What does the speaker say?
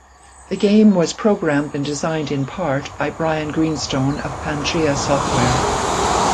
The game was programmed, and designed in part, by Brian Greenstone of Pangea Software.